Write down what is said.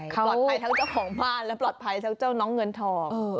เพราะปลอดภัยทั้งเจ้าของบ้านและปลอดภัยทั้งเจ้าน้องเงินทอง